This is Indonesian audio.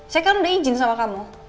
saya kan udah izin sama kamu